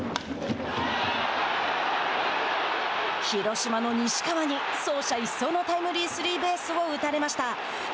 広島の西川に走者一掃のタイムリースリーベースを打たれました。